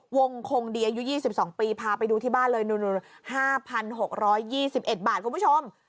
คงดีอายุ๒๒ปีพาไปดูที่บ้านเลย๕๖๒๑บาทคุณผู้ชม